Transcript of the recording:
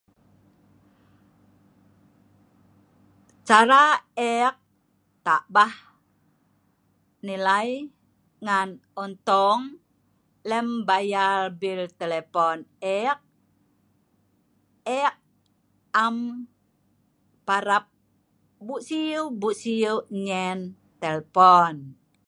Cara e'ek tabah nilai ngan ontong lem bayal bil telpon e'ek, e'ek am parap bu'siu- bu'siu nyein telpon